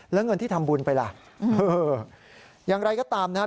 แล้วเงินที่ทำบุญไปล่ะเอออย่างไรก็ตามนะครับ